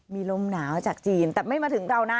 มีลมหนาวจากจีนแต่ไม่มาถึงเรานะ